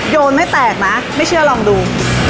โยนไม่แตกนะไม่เชื่อลองดู